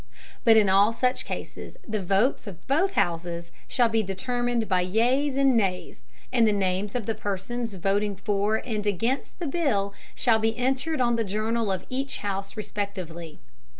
But in all such Cases the Votes of both Houses shall be determined by yeas and Nays, and the Names of the Persons voting for and against the Bill shall be entered on the Journal of each House respectively.